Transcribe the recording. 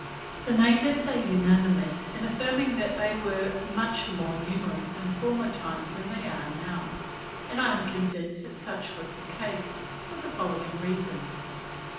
The natives are unanimous in affirming that they were much more numerous in former times than they are now, and I am convinced that such was the case, for the following reasons.